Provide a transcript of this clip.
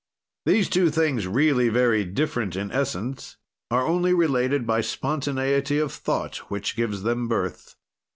These two things, really very different in essence, are only related by spontaneity of thought which gives them birth.